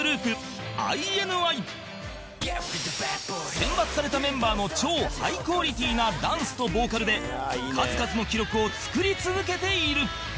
選抜されたメンバーの超ハイクオリティなダンスとボーカルで数々の記録を作り続けている